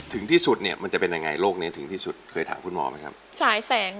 ถึงที่สุดเนี่ยมันจะเป็นยังไงโรคนี้ถึงที่สุดเคยถามคุณหมอไหมครับฉายแสง